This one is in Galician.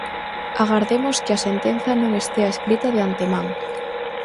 Agardemos que a sentenza non estea escrita de antemán.